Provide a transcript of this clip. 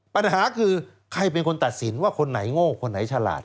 ปัญหาคือใครเป็นคนตัดสินว่าคนไหนโง่คนไหนฉลาด